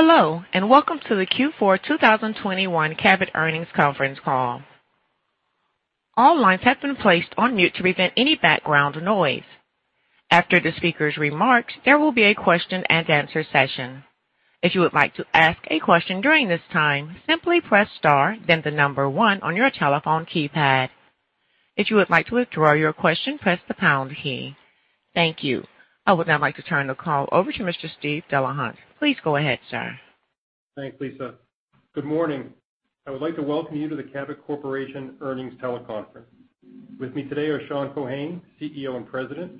Hello, and welcome to the Q4 2021 Cabot earnings conference call. All lines have been placed on mute to prevent any background noise. After the speaker's remarks, there will be a question and answer session. If you would like to ask a question during this time, simply press star then the number one on your telephone keypad. If you would like to withdraw your question, press the pound key. Thank you. I would now like to turn the call over to Mr. Steve Delahunt. Please go ahead, sir. Thanks, Lisa. Good morning. I would like to welcome you to the Cabot Corporation Earnings Teleconference. With me today are Sean Keohane, CEO and President,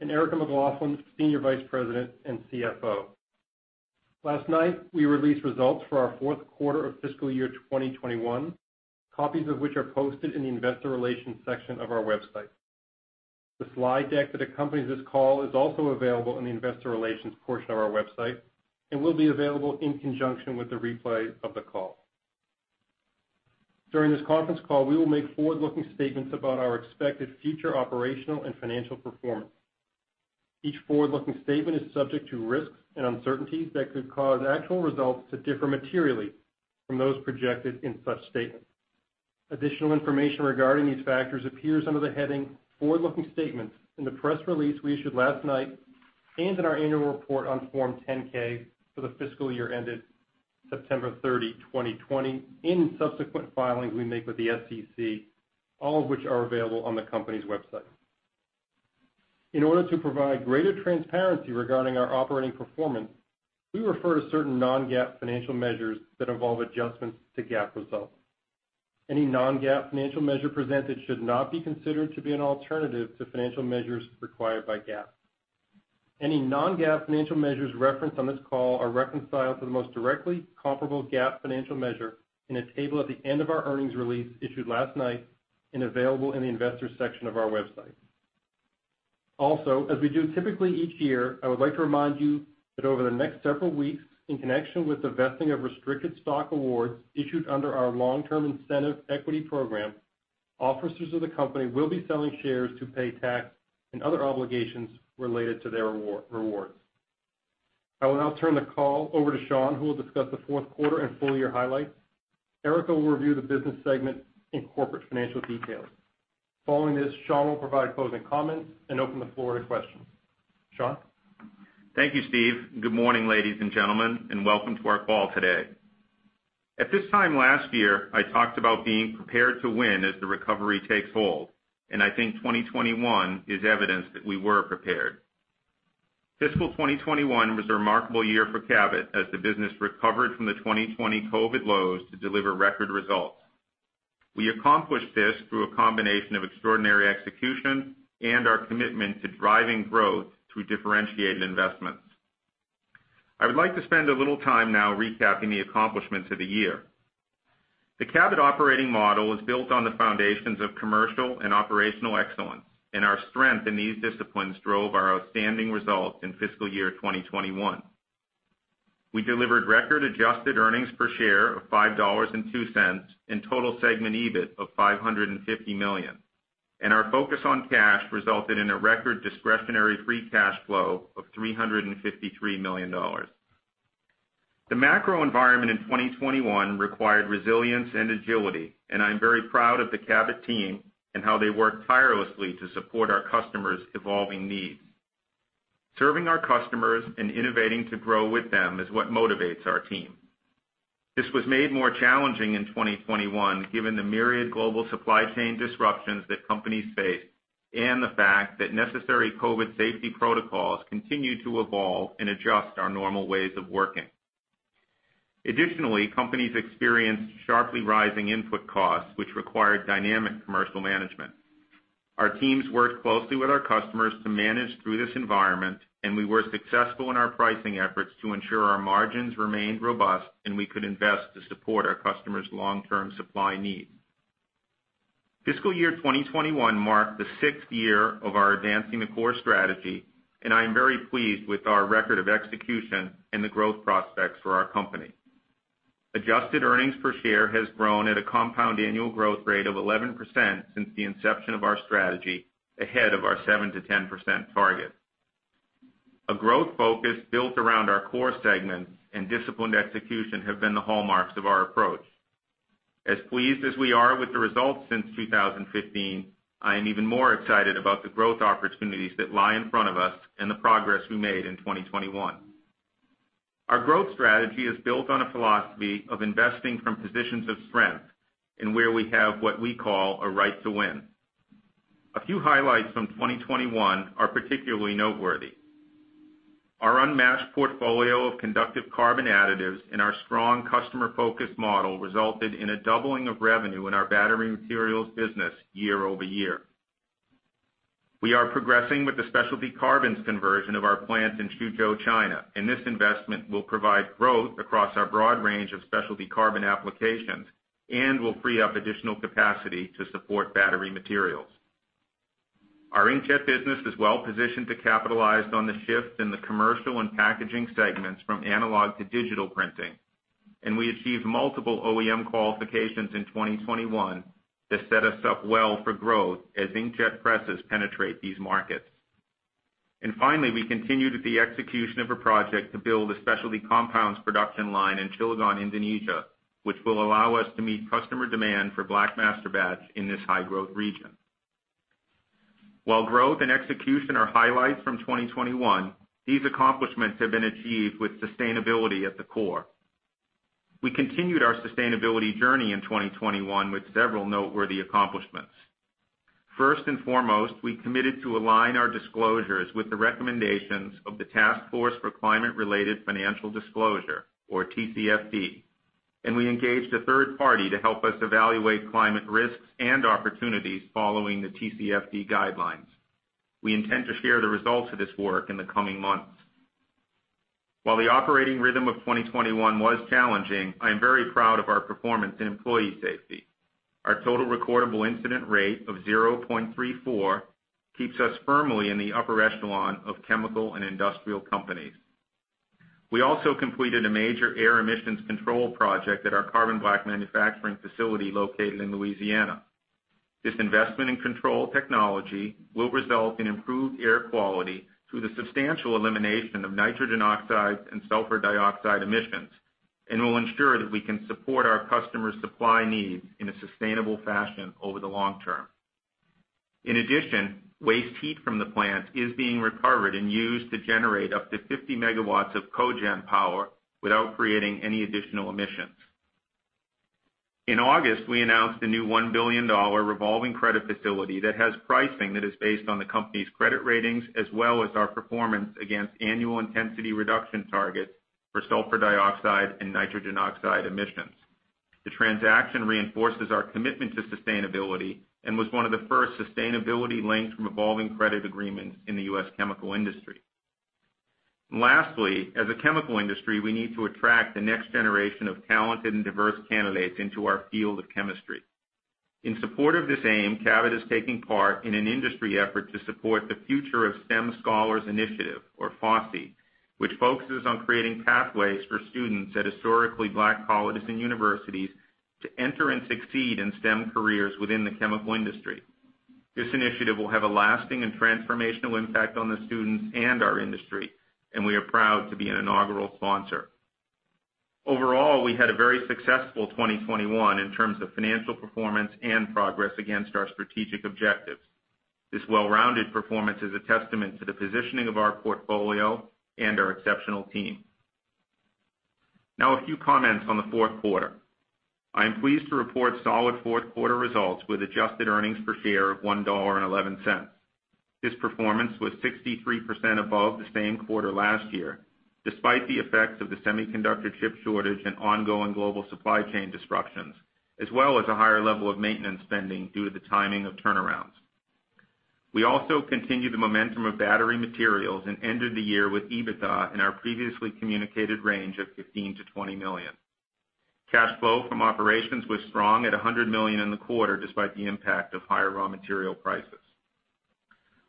and Erica McLaughlin, Senior Vice President and CFO. Last night, we released results for our fourth quarter of fiscal year 2021, copies of which are posted in the investor relations section of our website. The slide deck that accompanies this call is also available in the investor relations portion of our website and will be available in conjunction with the replay of the call. During this conference call, we will make forward-looking statements about our expected future operational and financial performance. Each forward-looking statement is subject to risks and uncertainties that could cause actual results to differ materially from those projected in such statements. Additional information regarding these factors appears under the heading Forward-Looking Statements in the press release we issued last night and in our annual report on Form 10-K for the fiscal year ended September 30, 2020, in subsequent filings we make with the SEC, all of which are available on the company's website. In order to provide greater transparency regarding our operating performance, we refer to certain non-GAAP financial measures that involve adjustments to GAAP results. Any non-GAAP financial measure presented should not be considered to be an alternative to financial measures required by GAAP. Any non-GAAP financial measures referenced on this call are reconciled to the most directly comparable GAAP financial measure in a table at the end of our earnings release issued last night and available in the investors section of our website. Also, as we do typically each year, I would like to remind you that over the next several weeks, in connection with the vesting of restricted stock awards issued under our long-term incentive equity program, officers of the company will be selling shares to pay tax and other obligations related to their rewards. I will now turn the call over to Sean, who will discuss the fourth quarter and full year highlights. Erica will review the business segments and corporate financial details. Following this, Sean will provide closing comments and open the floor to questions. Sean? Thank you, Steve. Good morning, ladies and gentlemen, and welcome to our call today. At this time last year, I talked about being prepared to win as the recovery takes hold, and I think 2021 is evidence that we were prepared. Fiscal 2021 was a remarkable year for Cabot as the business recovered from the 2020 COVID lows to deliver record results. We accomplished this through a combination of extraordinary execution and our commitment to driving growth through differentiated investments. I would like to spend a little time now recapping the accomplishments of the year. The Cabot operating model was built on the foundations of commercial and operational excellence, and our strength in these disciplines drove our outstanding results in fiscal year 2021. We delivered record adjusted earnings per share of $5.02 and total segment EBIT of $550 million, and our focus on cash resulted in a record discretionary free cash flow of $353 million. The macro environment in 2021 required resilience and agility, and I'm very proud of the Cabot team and how they worked tirelessly to support our customers' evolving needs. Serving our customers and innovating to grow with them is what motivates our team. This was made more challenging in 2021, given the myriad global supply chain disruptions that companies faced and the fact that necessary COVID safety protocols continued to evolve and adjust our normal ways of working. Additionally, companies experienced sharply rising input costs, which required dynamic commercial management. Our teams worked closely with our customers to manage through this environment, and we were successful in our pricing efforts to ensure our margins remained robust and we could invest to support our customers' long-term supply needs. Fiscal year 2021 marked the sixth year of our Advancing the Core strategy, and I am very pleased with our record of execution and the growth prospects for our company. Adjusted earnings per share has grown at a compound annual growth rate of 11% since the inception of our strategy, ahead of our 7%-10% target. A growth focus built around our core segments and disciplined execution have been the hallmarks of our approach. As pleased as we are with the results since 2015, I am even more excited about the growth opportunities that lie in front of us and the progress we made in 2021. Our growth strategy is built on a philosophy of investing from positions of strength and where we have what we call a right to win. A few highlights from 2021 are particularly noteworthy. Our unmatched portfolio of conductive carbon additives and our strong customer-focused model resulted in a doubling of revenue in our battery materials business year-over-year. We are progressing with the specialty carbons conversion of our plant in Xuzhou, China, and this investment will provide growth across our broad range of specialty carbon applications and will free up additional capacity to support battery materials. Our inkjet business is well positioned to capitalize on the shift in the commercial and packaging segments from analog to digital printing, and we achieved multiple OEM qualifications in 2021 that set us up well for growth as inkjet presses penetrate these markets. Finally, we continued with the execution of a project to build a specialty compounds production line in Cilegon, Indonesia, which will allow us to meet customer demand for black masterbatches in this high-growth region. While growth and execution are highlights from 2021, these accomplishments have been achieved with sustainability at the core. We continued our sustainability journey in 2021 with several noteworthy accomplishments. First and foremost, we committed to align our disclosures with the recommendations of the Task Force on Climate-related Financial Disclosures, or TCFD, and we engaged a third party to help us evaluate climate risks and opportunities following the TCFD guidelines. We intend to share the results of this work in the coming months. While the operating rhythm of 2021 was challenging, I am very proud of our performance in employee safety. Our total recordable incident rate of 0.34 keeps us firmly in the upper echelon of chemical and industrial companies. We also completed a major air emissions control project at our carbon black manufacturing facility located in Louisiana. This investment in control technology will result in improved air quality through the substantial elimination of nitrogen oxides and sulfur dioxide emissions, and will ensure that we can support our customers' supply needs in a sustainable fashion over the long term. In addition, waste heat from the plant is being recovered and used to generate up to 50 MW of cogen power without creating any additional emissions. In August, we announced a new $1 billion revolving credit facility that has pricing that is based on the company's credit ratings as well as our performance against annual intensity reduction targets for sulfur dioxide and nitrogen oxide emissions. The transaction reinforces our commitment to sustainability and was one of the first sustainability links from revolving credit agreements in the U.S. chemical industry. Lastly, as a chemical industry, we need to attract the next generation of talented and diverse candidates into our field of chemistry. In support of this aim, Cabot is taking part in an industry effort to support the Future of STEM Scholars Initiative, or FOSSI, which focuses on creating pathways for students at historically Black colleges and universities to enter and succeed in STEM careers within the chemical industry. This initiative will have a lasting and transformational impact on the students and our industry, and we are proud to be an inaugural sponsor. Overall, we had a very successful 2021 in terms of financial performance and progress against our strategic objectives. This well-rounded performance is a testament to the positioning of our portfolio and our exceptional team. Now a few comments on the fourth quarter. I am pleased to report solid fourth quarter results with adjusted earnings per share of $1.11. This performance was 63% above the same quarter last year, despite the effects of the semiconductor chip shortage and ongoing global supply chain disruptions, as well as a higher level of maintenance spending due to the timing of turnarounds. We also continued the momentum of battery materials and ended the year with EBITDA in our previously communicated range of $15 million-$20 million. Cash flow from operations was strong at $100 million in the quarter, despite the impact of higher raw material prices.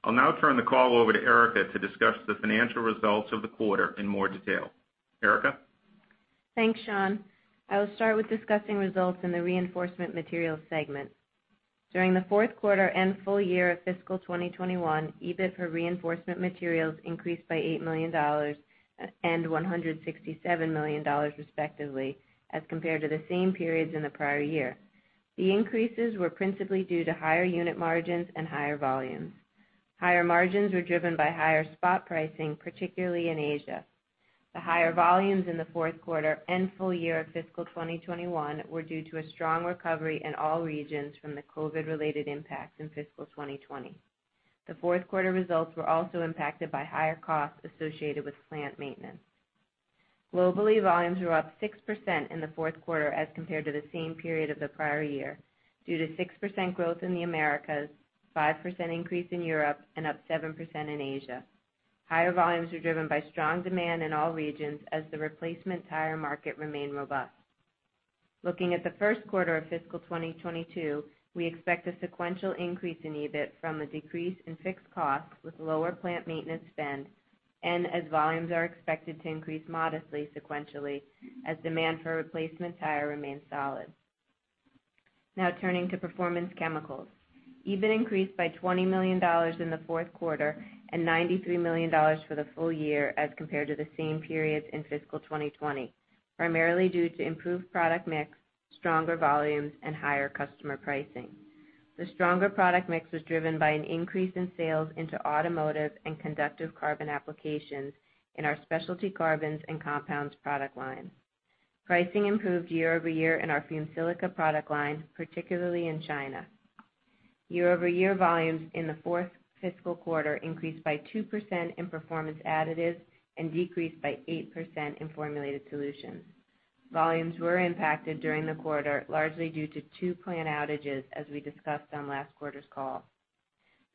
I'll now turn the call over to Erica to discuss the financial results of the quarter in more detail. Erica? Thanks, Sean. I will start with discussing results in the Reinforcement Materials segment. During the fourth quarter and full year of fiscal 2021, EBIT for Reinforcement Materials increased by $8 million and $167 million respectively, as compared to the same periods in the prior year. The increases were principally due to higher unit margins and higher volumes. Higher margins were driven by higher spot pricing, particularly in Asia. The higher volumes in the fourth quarter and full year of fiscal 2021 were due to a strong recovery in all regions from the COVID-related impacts in fiscal 2020. The fourth quarter results were also impacted by higher costs associated with plant maintenance. Globally, volumes were up 6% in the fourth quarter as compared to the same period of the prior year due to 6% growth in the Americas, 5% increase in Europe, and up 7% in Asia. Higher volumes were driven by strong demand in all regions as the replacement tire market remained robust. Looking at the first quarter of fiscal 2022, we expect a sequential increase in EBIT from a decrease in fixed costs with lower plant maintenance spend and as volumes are expected to increase modestly sequentially as demand for replacement tire remains solid. Now turning to Performance Chemicals. EBIT increased by $20 million in the fourth quarter and $93 million for the full year as compared to the same periods in fiscal 2020, primarily due to improved product mix, stronger volumes, and higher customer pricing. The stronger product mix was driven by an increase in sales into automotive and conductive carbon applications in our specialty carbons and compounds product line. Pricing improved year-over-year in our fumed silica product line, particularly in China. Year-over-year volumes in the fourth fiscal quarter increased by 2% in Performance Additives and decreased by 8% in Formulated Solutions. Volumes were impacted during the quarter largely due to two plant outages, as we discussed on last quarter's call.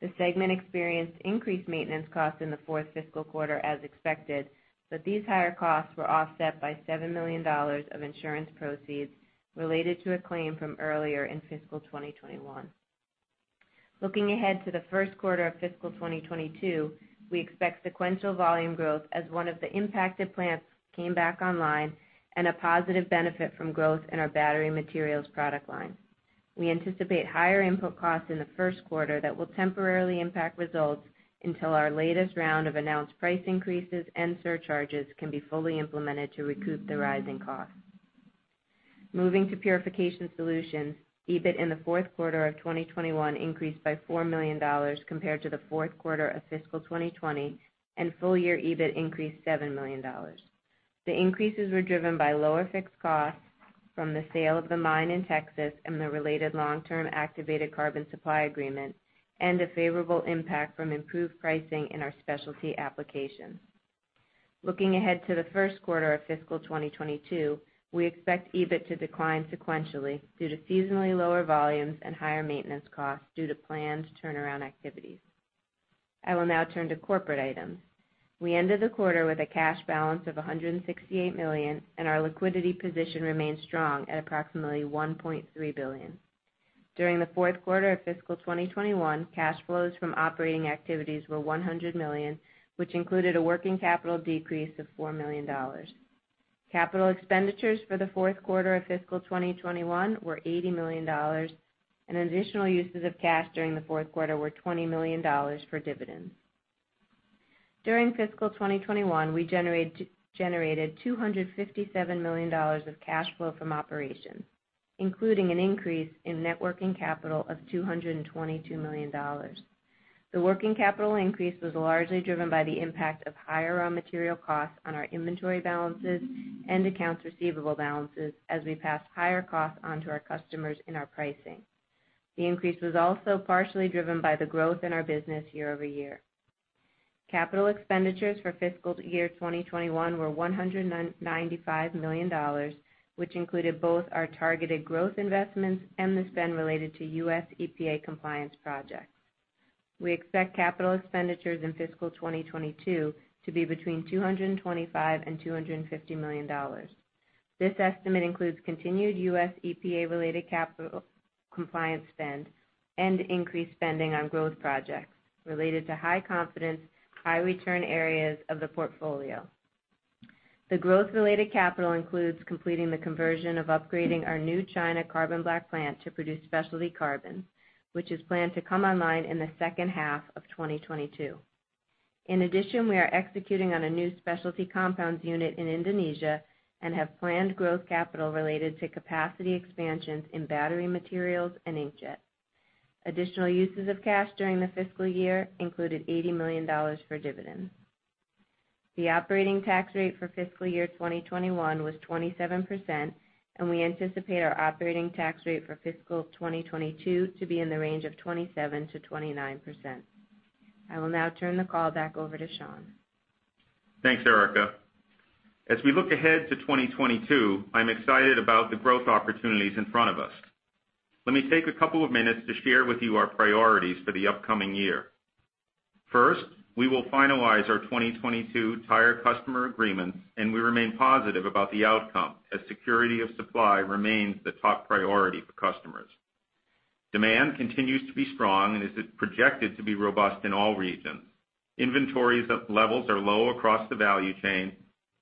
The segment experienced increased maintenance costs in the fourth fiscal quarter as expected, but these higher costs were offset by $7 million of insurance proceeds related to a claim from earlier in fiscal 2021. Looking ahead to the first quarter of fiscal 2022, we expect sequential volume growth as one of the impacted plants came back online and a positive benefit from growth in our battery materials product line. We anticipate higher input costs in the first quarter that will temporarily impact results until our latest round of announced price increases and surcharges can be fully implemented to recoup the rising costs. Moving to Purification Solutions, EBIT in the fourth quarter of 2021 increased by $4 million compared to the fourth quarter of fiscal 2020, and full year EBIT increased $7 million. The increases were driven by lower fixed costs from the sale of the mine in Texas and the related long-term activated carbon supply agreement and a favorable impact from improved pricing in our specialty applications. Looking ahead to the first quarter of fiscal 2022, we expect EBIT to decline sequentially due to seasonally lower volumes and higher maintenance costs due to planned turnaround activities. I will now turn to corporate items. We ended the quarter with a cash balance of $168 million, and our liquidity position remains strong at approximately $1.3 billion. During the fourth quarter of fiscal 2021, cash flows from operating activities were $100 million, which included a working capital decrease of $4 million. Capital expenditures for the fourth quarter of fiscal 2021 were $80 million, and additional uses of cash during the fourth quarter were $20 million for dividends. During fiscal 2021, we generated $257 million of cash flow from operations, including an increase in net working capital of $222 million. The working capital increase was largely driven by the impact of higher raw material costs on our inventory balances and accounts receivable balances as we passed higher costs onto our customers in our pricing. The increase was also partially driven by the growth in our business year-over-year. Capital expenditures for fiscal year 2021 were $195 million, which included both our targeted growth investments and the spend related to U.S. EPA compliance projects. We expect capital expenditures in fiscal 2022 to be between $225 million and $250 million. This estimate includes continued U.S. EPA-related capital compliance spend and increased spending on growth projects related to high-confidence, high-return areas of the portfolio. The growth-related capital includes completing the conversion of upgrading our new China carbon black plant to produce specialty carbon, which is planned to come online in the second half of 2022. In addition, we are executing on a new specialty compounds unit in Indonesia and have planned growth capital related to capacity expansions in battery materials and inkjet. Additional uses of cash during the fiscal year included $80 million for dividends. The operating tax rate for fiscal year 2021 was 27%, and we anticipate our operating tax rate for fiscal 2022 to be in the range of 27%-29%. I will now turn the call back over to Sean. Thanks, Erica. As we look ahead to 2022, I'm excited about the growth opportunities in front of us. Let me take a couple of minutes to share with you our priorities for the upcoming year. First, we will finalize our 2022 tire customer agreements, and we remain positive about the outcome as security of supply remains the top priority for customers. Demand continues to be strong and is projected to be robust in all regions. Inventory levels are low across the value chain,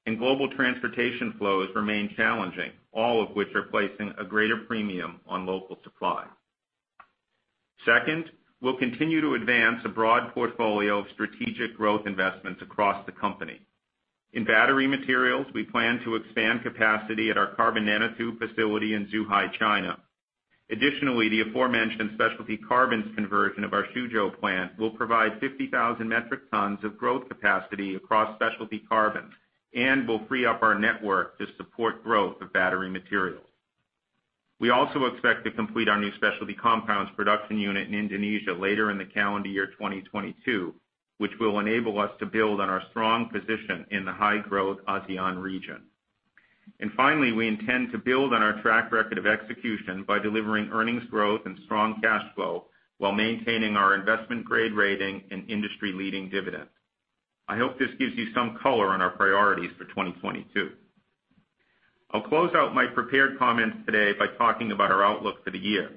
and global transportation flows remain challenging, all of which are placing a greater premium on local supply. Second, we'll continue to advance a broad portfolio of strategic growth investments across the company. In battery materials, we plan to expand capacity at our carbon nanotube facility in Zhuhai, China. Additionally, the aforementioned specialty carbons conversion of our Xuzhou plant will provide 50,000 metric tons of growth capacity across specialty carbons and will free up our network to support growth of battery materials. We also expect to complete our new specialty compounds production unit in Indonesia later in the calendar year 2022, which will enable us to build on our strong position in the high-growth ASEAN region. Finally, we intend to build on our track record of execution by delivering earnings growth and strong cash flow while maintaining our investment grade rating and industry-leading dividend. I hope this gives you some color on our priorities for 2022. I'll close out my prepared comments today by talking about our outlook for the year.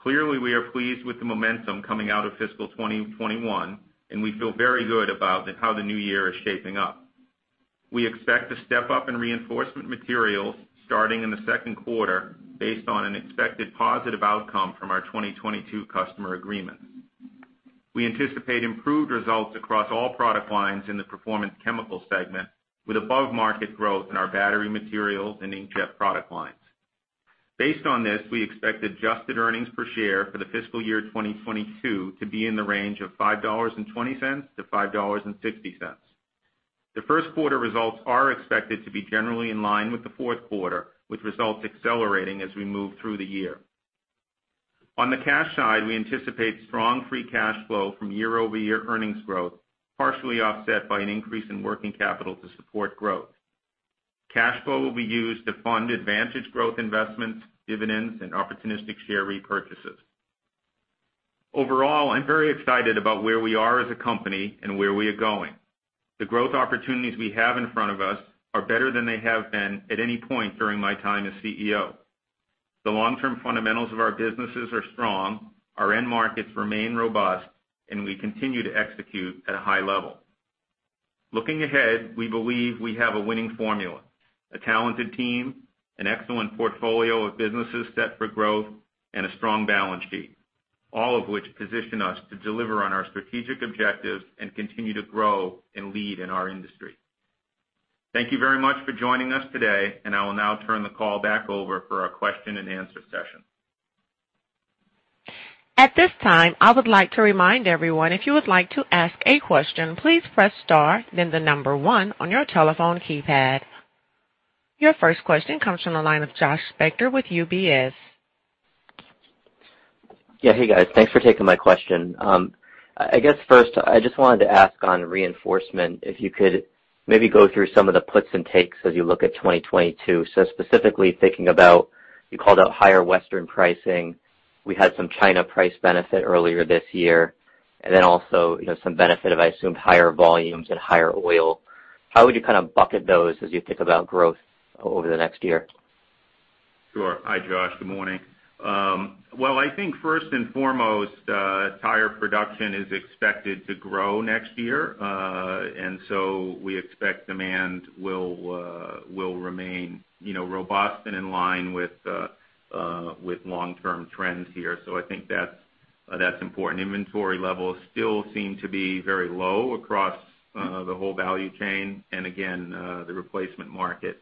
Clearly, we are pleased with the momentum coming out of fiscal 2021, and we feel very good about how the new year is shaping up. We expect to step up in Reinforcement Materials starting in the second quarter based on an expected positive outcome from our 2022 customer agreements. We anticipate improved results across all product lines in the Performance Chemicals segment with above market growth in our battery materials and inkjet product lines. Based on this, we expect adjusted earnings per share for the fiscal year 2022 to be in the range of $5.20-$5.60. The first quarter results are expected to be generally in line with the fourth quarter, with results accelerating as we move through the year. On the cash side, we anticipate strong free cash flow from year-over-year earnings growth, partially offset by an increase in working capital to support growth. Cash flow will be used to fund advantage growth investments, dividends, and opportunistic share repurchases. Overall, I'm very excited about where we are as a company and where we are going. The growth opportunities we have in front of us are better than they have been at any point during my time as CEO. The long-term fundamentals of our businesses are strong, our end markets remain robust, and we continue to execute at a high level. Looking ahead, we believe we have a winning formula, a talented team, an excellent portfolio of businesses set for growth, and a strong balance sheet, all of which position us to deliver on our strategic objectives and continue to grow and lead in our industry. Thank you very much for joining us today, and I will now turn the call back over for our question-and-answer session. At this time, I would like to remind everyone if you would like to ask a question, please press star then the number one on your telephone keypad. Your first question comes from the line of Josh Spector with UBS. Yeah. Hey, guys. Thanks for taking my question. I guess first, I just wanted to ask on reinforcement if you could maybe go through some of the puts and takes as you look at 2022. Specifically thinking about, you called out higher Western pricing. We had some China price benefit earlier this year, and then also, you know, some benefit of, I assume, higher volumes and higher oil. How would you kind of bucket those as you think about growth over the next year? Sure. Hi, Josh. Good morning. Well, I think first and foremost, tire production is expected to grow next year, and so we expect demand will remain, you know, robust and in line with long-term trends here. I think that's important. Inventory levels still seem to be very low across the whole value chain. Again, the replacement market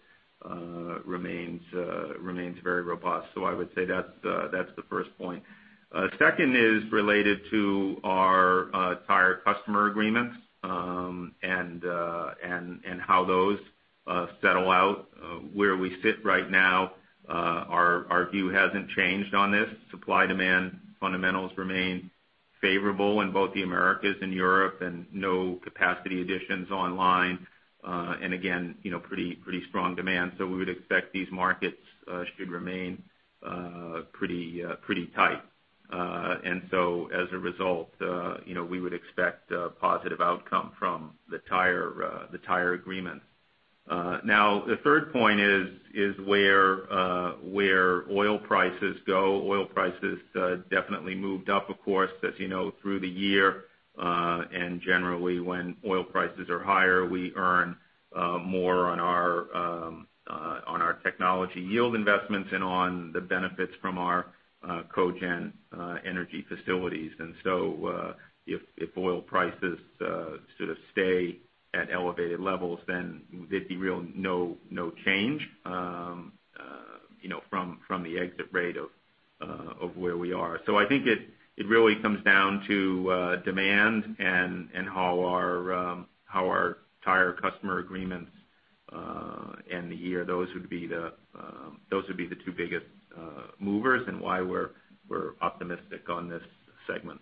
remains very robust. I would say that's the first point. Second is related to our tire customer agreements, and how those settle out, where we sit right now, our view hasn't changed on this. Supply-demand fundamentals remain favorable in both the Americas and Europe and no capacity additions online. Again, you know, pretty strong demand. We would expect these markets should remain pretty tight. As a result, you know, we would expect a positive outcome from the tire agreements. Now the third point is where oil prices go. Oil prices definitely moved up, of course, as you know, through the year. Generally, when oil prices are higher, we earn more on our technology yield investments and on the benefits from our cogen energy facilities. If oil prices sort of stay at elevated levels, then there'd be no change, you know, from the exit rate of where we are. I think it really comes down to demand and how our tire customer agreements end the year. Those would be the two biggest movers and why we're optimistic on this segment.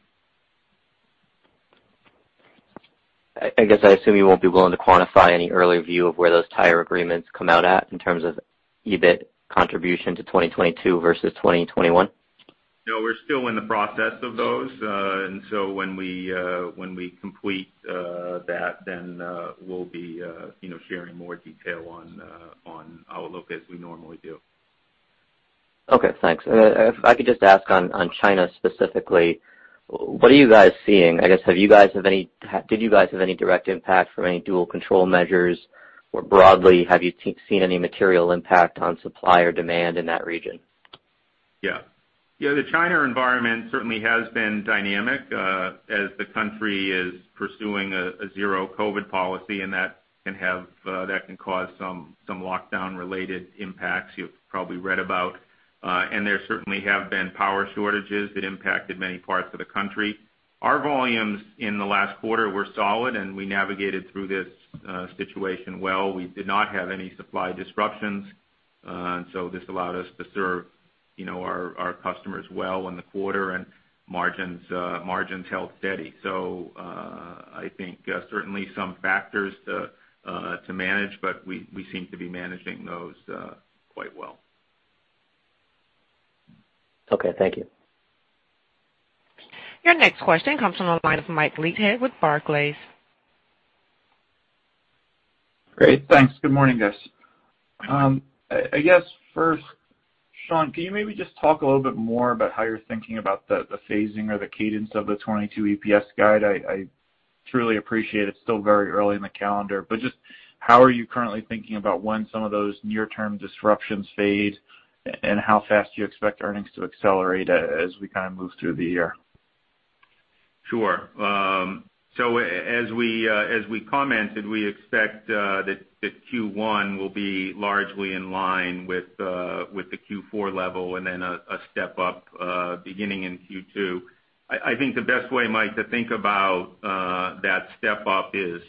I guess I assume you won't be willing to quantify any early view of where those tire agreements come out at in terms of EBIT contribution to 2022 versus 2021. No, we're still in the process of those. When we complete that then we'll be you know sharing more detail on outlook as we normally do. Okay, thanks. If I could just ask on China specifically, what are you guys seeing? I guess, did you guys have any direct impact from any dual control measures? Or broadly, have you seen any material impact on supply or demand in that region? Yeah. Yeah, the China environment certainly has been dynamic, as the country is pursuing a zero COVID policy, and that can cause some lockdown-related impacts you've probably read about. There certainly have been power shortages that impacted many parts of the country. Our volumes in the last quarter were solid, and we navigated through this situation well. We did not have any supply disruptions, and so this allowed us to serve, you know, our customers well in the quarter and margins held steady. I think certainly some factors to manage, but we seem to be managing those quite well. Okay, thank you. Your next question comes from the line of Mike Leithead with Barclays. Great. Thanks. Good morning, guys. I guess first, Sean, can you maybe just talk a little bit more about how you're thinking about the phasing or the cadence of the 2022 EPS guide? I truly appreciate it's still very early in the calendar, but just how are you currently thinking about when some of those near-term disruptions fade, and how fast do you expect earnings to accelerate as we kind of move through the year? Sure. As we commented, we expect that Q1 will be largely in line with the Q4 level and then a step up beginning in Q2. I think the best way, Mike, to think about that step up is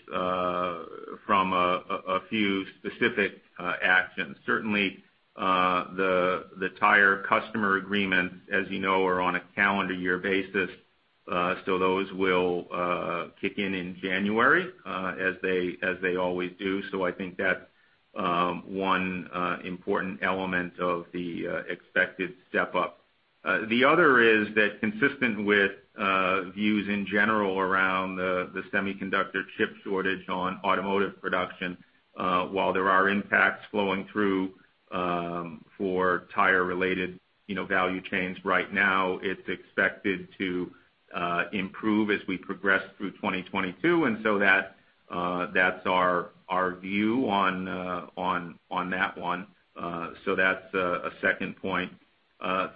from a few specific actions. Certainly, the tire customer agreements, as you know, are on a calendar year basis. Those will kick in in January, as they always do. I think that's one important element of the expected step-up. The other is that consistent with views in general around the semiconductor chip shortage on automotive production, while there are impacts flowing through for tire-related, you know, value chains right now, it's expected to improve as we progress through 2022. That's our view on that one. That's a second point.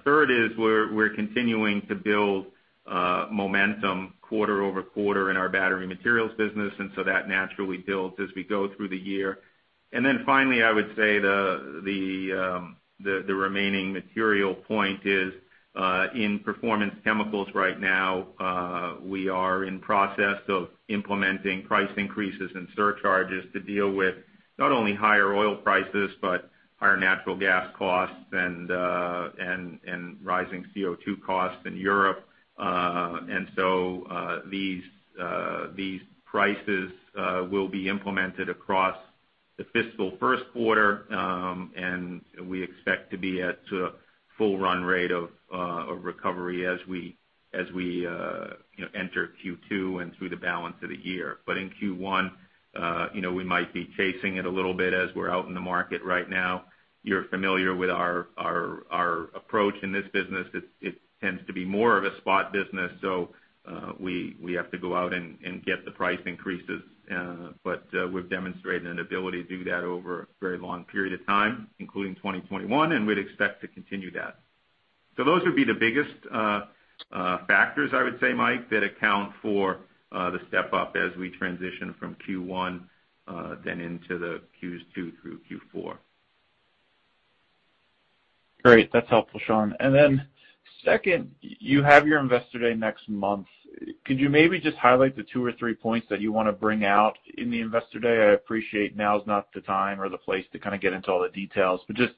Third is we're continuing to build momentum quarter-over-quarter in our battery materials business, and that naturally builds as we go through the year. Finally, I would say the remaining material point is in Performance Chemicals right now, we are in process of implementing price increases and surcharges to deal with not only higher oil prices but higher natural gas costs and rising CO2 costs in Europe. These prices will be implemented across the fiscal first quarter. We expect to be at full run rate of recovery as we you know enter Q2 and through the balance of the year. In Q1, you know, we might be chasing it a little bit as we're out in the market right now. You're familiar with our approach in this business. It tends to be more of a spot business, so we have to go out and get the price increases. We've demonstrated an ability to do that over a very long period of time, including 2021, and we'd expect to continue that. Those would be the biggest factors I would say, Mike, that account for the step-up as we transition from Q1 then into the Q2 through Q4. Great. That's helpful, Sean. Then second, you have your Investor Day next month. Could you maybe just highlight the two or three points that you wanna bring out in the Investor Day? I appreciate that now is not the time or the place to kind of get into all the details. Just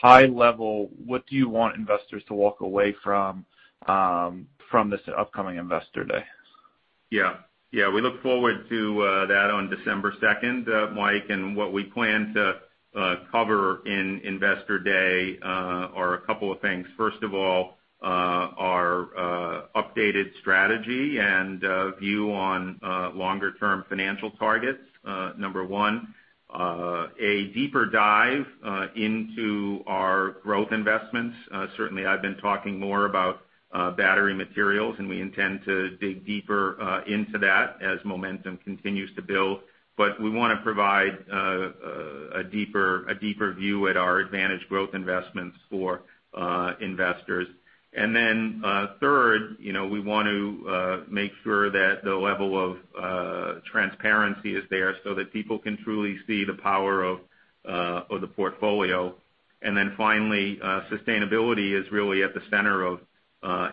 high level, what do you want investors to walk away from this upcoming Investor Day? Yeah. Yeah. We look forward to that on December 2nd, Mike, and what we plan to cover in Investor Day are a couple of things. First of all, our updated strategy and view on longer term financial targets, number one. A deeper dive into our growth investments. Certainly I've been talking more about battery materials, and we intend to dig deeper into that as momentum continues to build. We wanna provide a deeper view at our advantage growth investments for investors. Then, third, you know, we want to make sure that the level of transparency is there so that people can truly see the power of the portfolio. Then finally, sustainability is really at the center of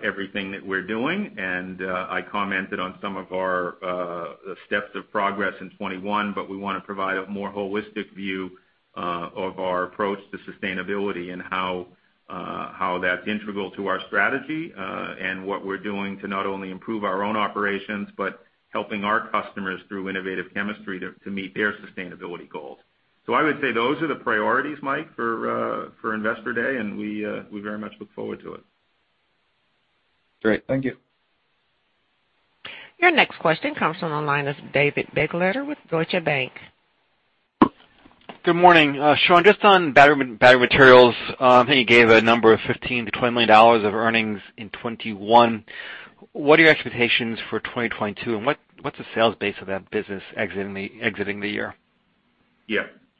everything that we're doing. I commented on some of our steps of progress in 2021, but we wanna provide a more holistic view of our approach to sustainability and how that's integral to our strategy, and what we're doing to not only improve our own operations, but helping our customers through innovative chemistry to meet their sustainability goals. I would say those are the priorities, Mike, for Investor Day, and we very much look forward to it. Great. Thank you. Your next question comes from the line of David Begleiter with Deutsche Bank. Good morning. Sean, just on battery materials, I think you gave a number of $15 million-$20 million of earnings in 2021. What are your expectations for 2022, and what's the sales base of that business exiting the year?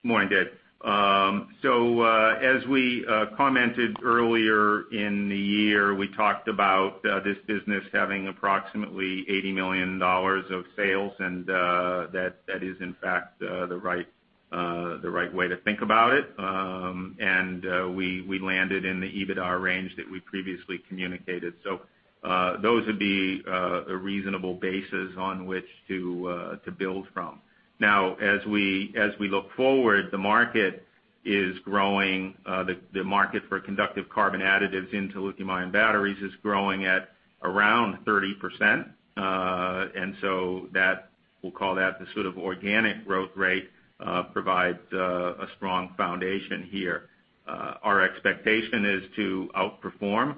Morning, Dave. As we commented earlier in the year, we talked about this business having approximately $80 million of sales, and that is in fact the right way to think about it. We landed in the EBITDA range that we previously communicated. Those would be a reasonable basis on which to build from. Now, as we look forward, the market is growing, the market for conductive carbon additives into lithium-ion batteries is growing at around 30%. That we'll call that the sort of organic growth rate provides a strong foundation here. Our expectation is to outperform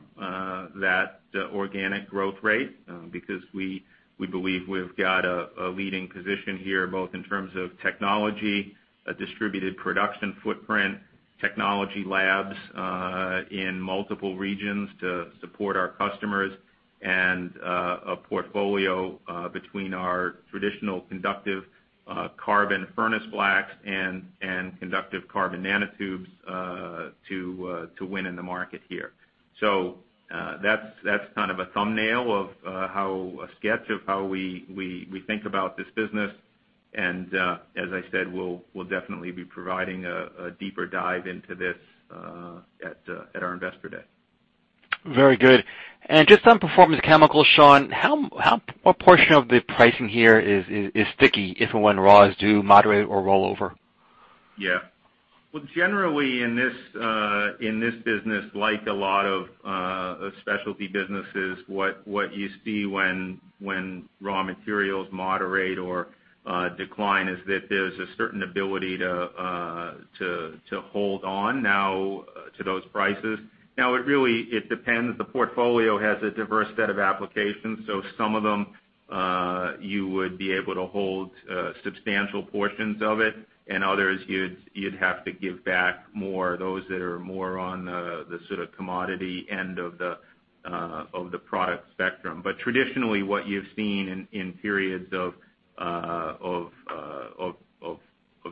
that organic growth rate, because we believe we've got a leading position here, both in terms of technology, a distributed production footprint, technology labs in multiple regions to support our customers and a portfolio between our traditional conductive carbon furnace blacks and conductive carbon nanotubes to win in the market here. That's kind of a thumbnail sketch of how we think about this business. As I said, we'll definitely be providing a deeper dive into this at our Investor Day. Very good. Just on Performance Chemicals, Sean, how, what portion of the pricing here is sticky if and when raws do moderate or roll over? Yeah. Well, generally, in this business, like a lot of specialty businesses, what you see when raw materials moderate or decline is that there's a certain ability to hold on now to those prices. Now, it really depends. The portfolio has a diverse set of applications. Some of them, you would be able to hold substantial portions of it, and others you'd have to give back more, those that are more on the sort of commodity end of the product spectrum. Traditionally, what you've seen in periods of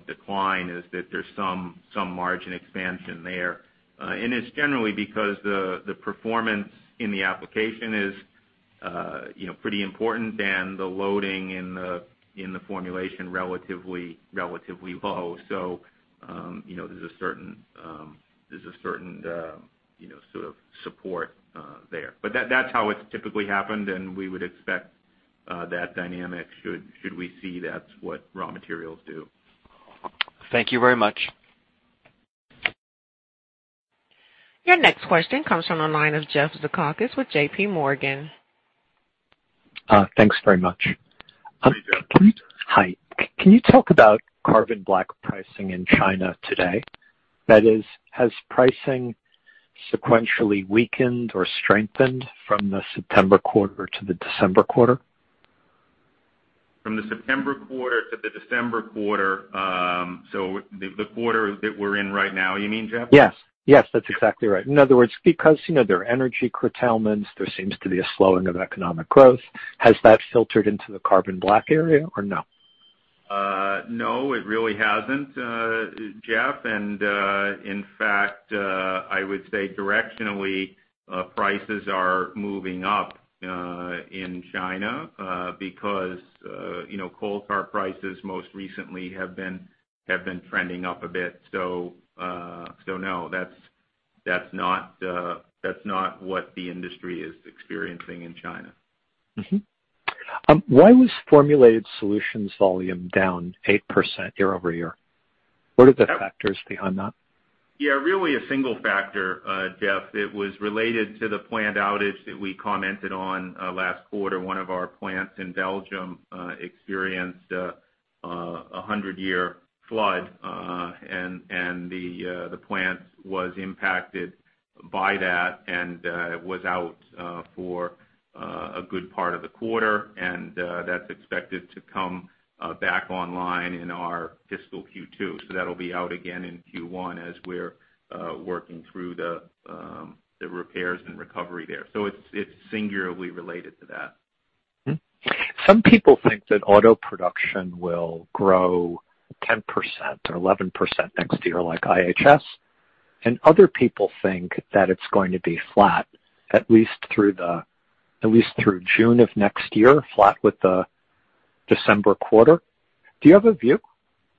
decline is that there's some margin expansion there. It's generally because the performance in the application is you know pretty important and the loading in the formulation relatively low. You know, there's a certain you know sort of support there. That's how it's typically happened, and we would expect that dynamic should we see. That's what raw materials do. Thank you very much. Your next question comes from the line of Jeff Zekauskas with JPMorgan. Thanks very much. How are you doing? Hi. Can you talk about carbon black pricing in China today? That is, has pricing sequentially weakened or strengthened from the September quarter to the December quarter? From the September quarter to the December quarter, so the quarter that we're in right now, you mean, Jeff? Yes. Yes, that's exactly right. In other words, because, you know, there are energy curtailments, there seems to be a slowing of economic growth. Has that filtered into the carbon black area or no? No, it really hasn't, Jeff. In fact, I would say directionally, prices are moving up in China because, you know, coal tar prices most recently have been trending up a bit. No, that's not what the industry is experiencing in China. Why was Formulated Solutions volume down 8% year-over-year? What are the factors behind that? Yeah, really a single factor, Jeff. It was related to the plant outage that we commented on last quarter. One of our plants in Belgium experienced a 100-year flood, and the plant was impacted by that and was out for a good part of the quarter. That's expected to come back online in our fiscal Q2. That'll be out again in Q1 as we're working through the repairs and recovery there. It's singularly related to that. Some people think that auto production will grow 10% or 11% next year, like IHS, and other people think that it's going to be flat, at least through June of next year, flat with the December quarter. Do you have a view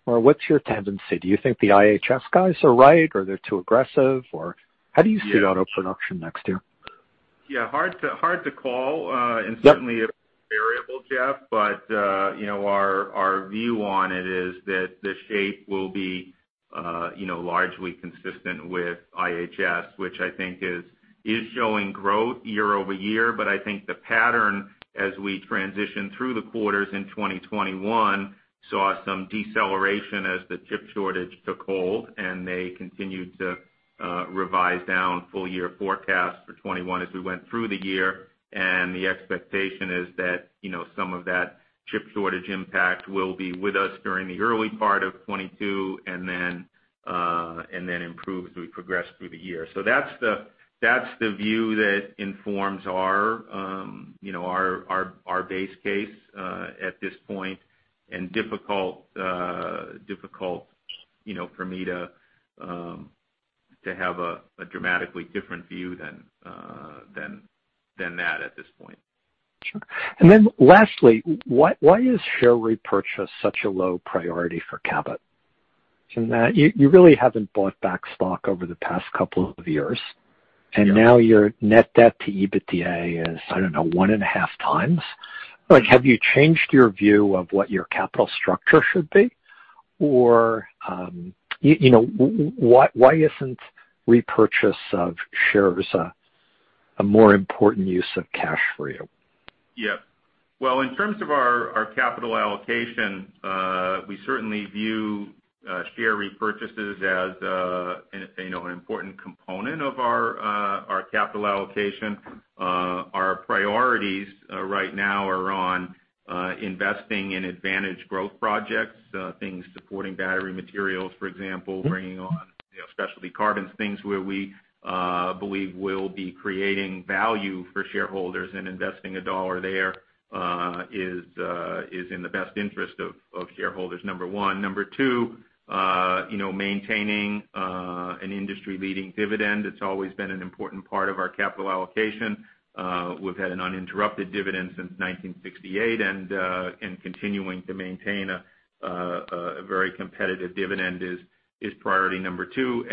or what's your tendency? Do you think the IHS guys are right or they're too aggressive or how do you see auto production next year? Yeah, hard to call, and certainly a variable, Jeff. You know, our view on it is that the shape will be, you know, largely consistent with IHS, which I think is showing growth year over year. I think the pattern as we transition through the quarters in 2021 saw some deceleration as the chip shortage took hold, and they continued to revise down full year forecasts for 2021 as we went through the year. The expectation is that, you know, some of that chip shortage impact will be with us during the early part of 2022 and then improve as we progress through the year. That's the view that informs our, you know, base case, difficult, you know, for me to have a dramatically different view than that at this point. Sure. Lastly, why is share repurchase such a low priority for Cabot? You really haven't bought back stock over the past couple of years. Yeah. Now your net debt to EBITDA is, I don't know, 1.5 times. Like, have you changed your view of what your capital structure should be? Or, you know, why isn't repurchase of shares a more important use of cash for you? Well, in terms of our capital allocation, we certainly view share repurchases as, you know, an important component of our capital allocation. Our priorities right now are on investing in advantaged growth projects, things supporting battery materials, for example, bringing on, you know, specialty carbons, things where we believe we'll be creating value for shareholders and investing a dollar there is in the best interest of shareholders, number one. Number two, you know, maintaining an industry-leading dividend. It's always been an important part of our capital allocation. We've had an uninterrupted dividend since 1968 and continuing to maintain a very competitive dividend is priority number two.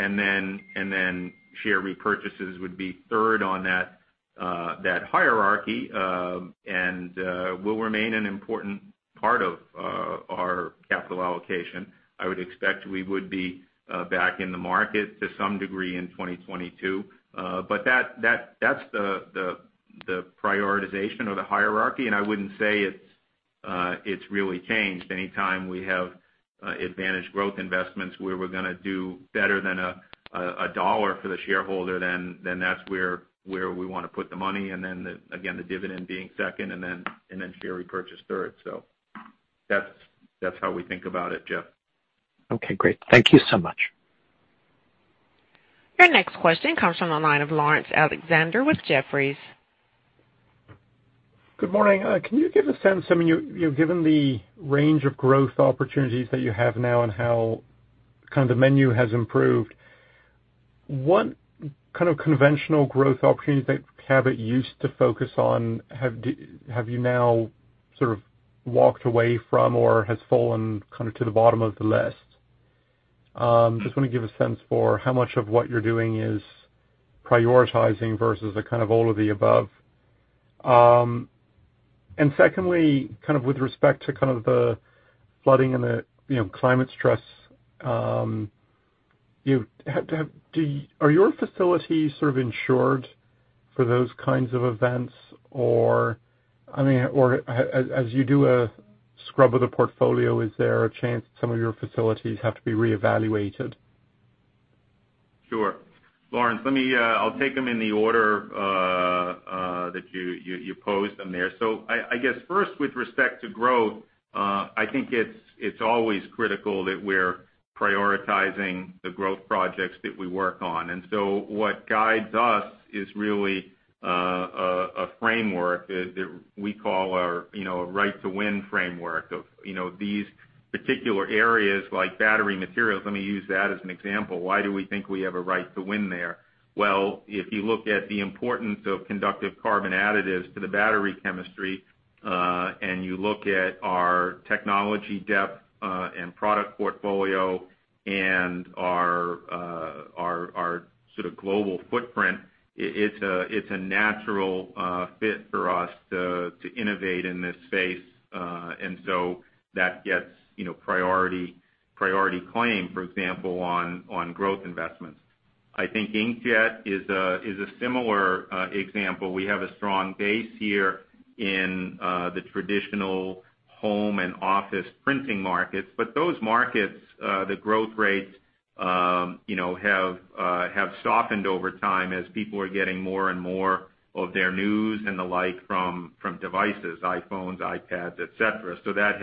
Share repurchases would be third on that hierarchy, and will remain an important part of our capital allocation. I would expect we would be back in the market to some degree in 2022. But that's the prioritization or the hierarchy, and I wouldn't say it's really changed. Anytime we have advantage growth investments where we're gonna do better than $1 for the shareholder, then that's where we wanna put the money and then again, the dividend being second and then share repurchase third. That's how we think about it, Jeff. Okay, great. Thank you so much. Your next question comes from the line of Laurence Alexander with Jefferies. Good morning. Can you give a sense, I mean, you've given the range of growth opportunities that you have now and how kind of the menu has improved. What kind of conventional growth opportunities that Cabot used to focus on have you now sort of walked away from or has fallen kind of to the bottom of the list? Just wanna give a sense for how much of what you're doing is prioritizing versus a kind of all of the above. And secondly, kind of with respect to kind of the flooding and the, you know, climate stress, are your facilities sort of insured for those kinds of events? Or, I mean, or as you do a scrub of the portfolio, is there a chance some of your facilities have to be reevaluated? Sure. Laurence, let me, I'll take them in the order that you posed them there. I guess first with respect to growth, I think it's always critical that we're prioritizing the growth projects that we work on. What guides us is really a framework that we call our, you know, right to win framework of, you know, these particular areas like battery materials. Let me use that as an example. Why do we think we have a right to win there? Well, if you look at the importance of conductive carbon additives to the battery chemistry, and you look at our technology depth, and product portfolio and our sort of global footprint, it's a natural fit for us to innovate in this space. That gets, you know, priority claim, for example, on growth investments. I think inkjet is a similar example. We have a strong base here in the traditional home and office printing markets. Those markets, the growth rates, you know, have softened over time as people are getting more and more of their news and the like from devices, iPhones, iPads, et cetera. That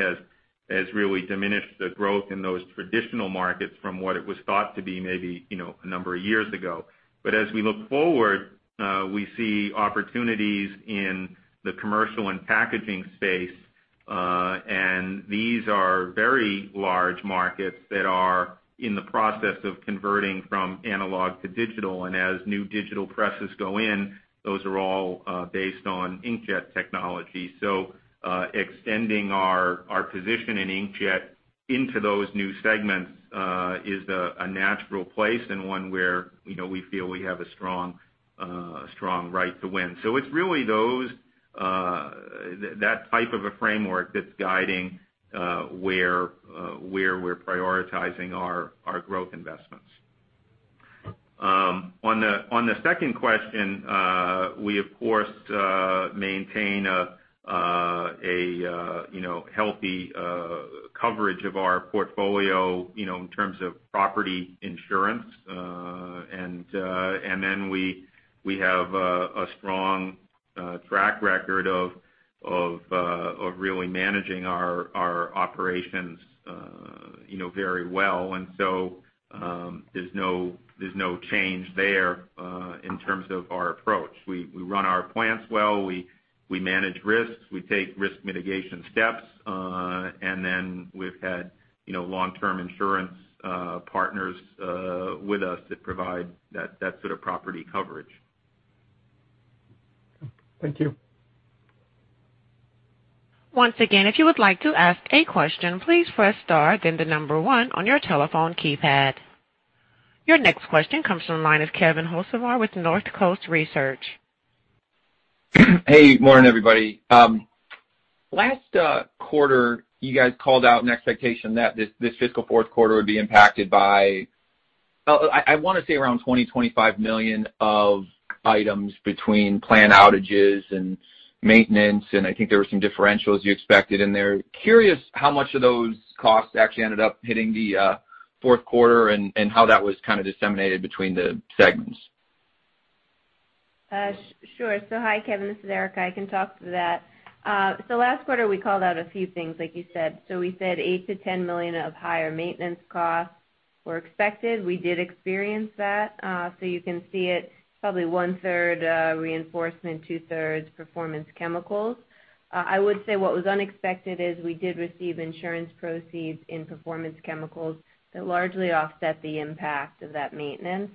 has really diminished the growth in those traditional markets from what it was thought to be maybe, you know, a number of years ago. As we look forward, we see opportunities in the commercial and packaging space, and these are very large markets that are in the process of converting from analog to digital. As new digital presses go in, those are all based on inkjet technology. Extending our position in inkjet into those new segments is a natural place and one where, you know, we feel we have a strong right to win. It's really those that type of a framework that's guiding where we're prioritizing our growth investments. On the second question, we of course maintain a, you know, healthy coverage of our portfolio, you know, in terms of property insurance. We have a strong track record of really managing our operations, you know, very well. There's no change there in terms of our approach. We run our plants well, we manage risks, we take risk mitigation steps. We've had, you know, long-term insurance partners with us that provide that sort of property coverage. Thank you. Your next question comes from the line of Kevin Hocevar with Northcoast Research. Hey, morning, everybody. Last quarter, you guys called out an expectation that this fiscal fourth quarter would be impacted by, I wanna say, around $20 million-$25 million of items between plant outages and maintenance, and I think there were some differentials you expected in there. I'm curious how much of those costs actually ended up hitting the fourth quarter and how that was kinda disseminated between the segments. Sure. Hi, Kevin, this is Erica. I can talk to that. Last quarter, we called out a few things, like you said. We said $8 million-$10 million of higher maintenance costs were expected. We did experience that. You can see it probably one-third Reinforcement, two-thirds Performance Chemicals. I would say what was unexpected is we did receive insurance proceeds in Performance Chemicals that largely offset the impact of that maintenance.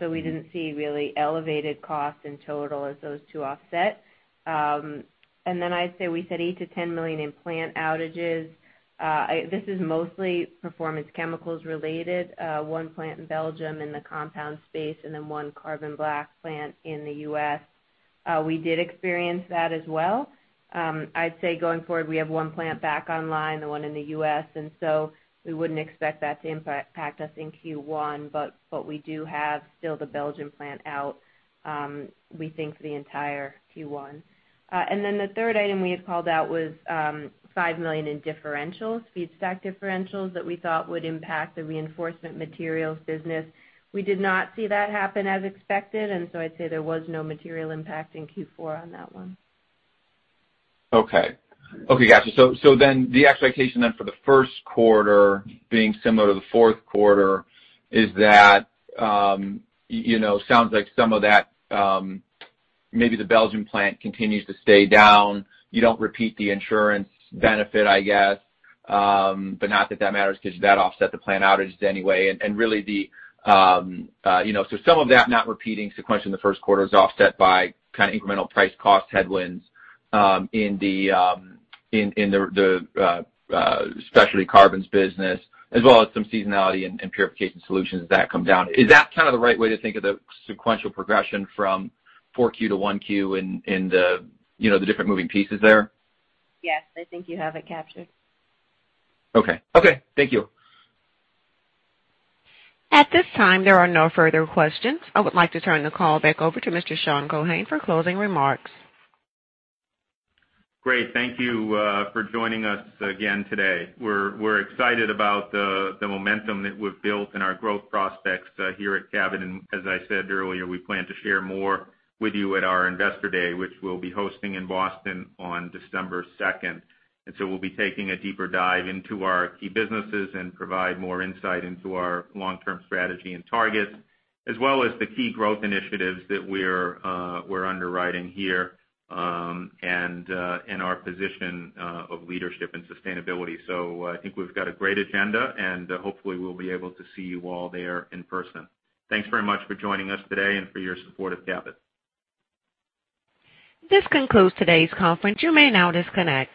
We didn't see really elevated costs in total as those two offset. Then I'd say we said $8 million-$10 million in plant outages. This is mostly Performance Chemicals related, one plant in Belgium in the compound space and then one carbon black plant in the U.S. We did experience that as well. I'd say going forward, we have one plant back online, the one in the U.S., and so we wouldn't expect that to impact us in Q1. We do have still the Belgian plant out, we think for the entire Q1. Then the third item we had called out was $5 million in differentials, feedstock differentials that we thought would impact the Reinforcement Materials business. We did not see that happen as expected, and so I'd say there was no material impact in Q4 on that one. Okay. Gotcha. The expectation for the first quarter being similar to the fourth quarter is that you know, sounds like some of that maybe the Belgian plant continues to stay down. You don't repeat the insurance benefit, I guess. But not that that matters 'cause that offset the plant outages anyway. Really you know, some of that not repeating sequentially in the first quarter is offset by kinda incremental price cost headwinds in the Specialty Carbons business as well as some seasonality in Purification Solutions that come down. Is that kinda the right way to think of the sequential progression from Q4 to Q1 in you know, the different moving pieces there? Yes. I think you have it captured. Okay, thank you. At this time, there are no further questions. I would like to turn the call back over to Mr. Sean Keohane for closing remarks. Great. Thank you for joining us again today. We're excited about the momentum that we've built and our growth prospects here at Cabot. As I said earlier, we plan to share more with you at our Investor Day, which we'll be hosting in Boston on December 2nd. We'll be taking a deeper dive into our key businesses and provide more insight into our long-term strategy and targets, as well as the key growth initiatives that we're underwriting here and in our position of leadership and sustainability. I think we've got a great agenda, and hopefully we'll be able to see you all there in person. Thanks very much for joining us today and for your support of Cabot. This concludes today's conference. You may now disconnect.